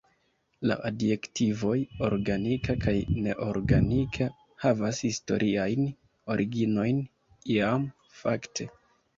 La adjektivoj "organika" kaj "neorganika" havas historiajn originojn; iam, fakte.